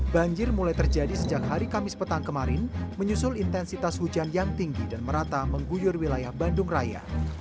banjir mulai terjadi sejak hari kamis petang kemarin menyusul intensitas hujan yang tinggi dan merata mengguyur wilayah bandung raya